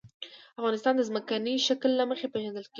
افغانستان د ځمکنی شکل له مخې پېژندل کېږي.